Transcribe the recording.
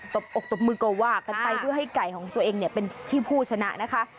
บอกตบมือก็ว่ากันไปเพื่อให้ไก่ของตัวเองเนี่ยเป็นที่ผู้ชนะนะคะ